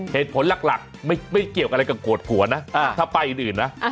เหตุผลหลักไม่เกี่ยวอะไรกับโกรธผัวนะถ้าป้ายอื่นนะ